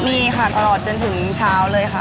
มีค่ะตลอดจนถึงเช้าเลยค่ะ